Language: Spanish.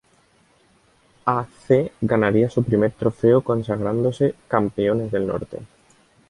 A. C. ganaría su primer trofeo, consagrándose "Campeones del Norte".